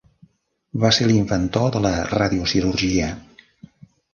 Va ser l'inventor de la radiocirurgia.